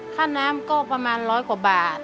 ค่าน้ำก็ประมาณร้อยกว่าบาท